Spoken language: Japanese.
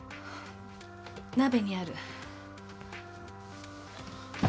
鍋にある。